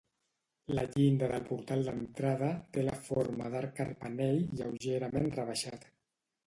La llinda del portal d'entrada té la forma d'arc carpanell lleugerament rebaixat.